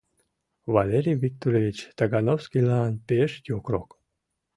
Валерий Викторович Тагановскийлан пеш йокрок...